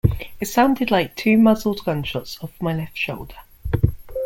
It sounded like two muzzled gunshots off my left shoulder.